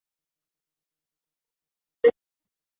二十九年驻扎御前前军统制兼主管中军军马。